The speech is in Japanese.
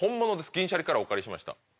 銀シャリからお借りしました。